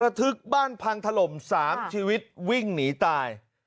ทึกบ้านพังถล่ม๓ชีวิตวิ่งหนีตาย